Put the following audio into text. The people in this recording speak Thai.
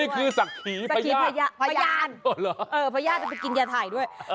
นี่คือสักหีพญาพญาพญาพญาพญาจะไปกินยาถ่ายด้วย